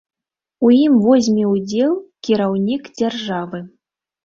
У ім возьме ўдзел кіраўнік дзяржавы.